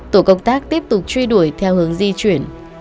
tổ công tác tiếp tục truy đuổi theo hướng di chuyển